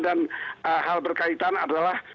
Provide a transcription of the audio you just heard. dan hal berkaitan adalah